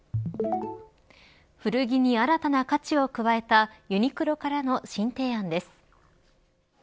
古着に新たな価値を加えたユニクロからの新提案です。